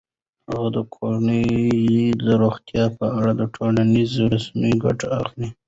هغه د کورنۍ د روغتیا په اړه د ټولنیزو رسنیو ګټه اخلي.